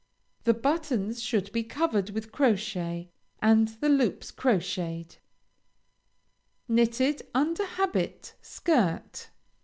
The buttons should be covered with crochet, and the loops crocheted. KNITTED UNDER HABIT SHIRT.